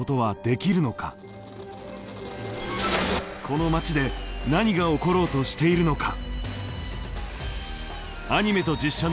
この町で何が起ころうとしているのか。